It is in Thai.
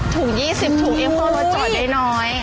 ๑๐ถุง๒๐ถุงเอฟโฟรถจอดได้น้อย